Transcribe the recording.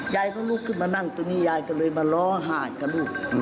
ยายก็ลุกขึ้นมานั่งตรงนี้ยายก็เลยมาล้อห่านกับลูก